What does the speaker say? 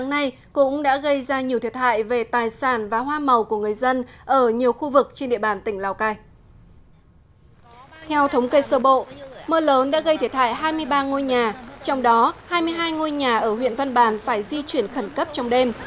hai mươi hai ngôi nhà ở huyện văn bàn phải di chuyển khẩn cấp trong đêm